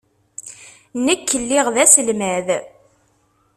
Nekk lliɣ d aselmad.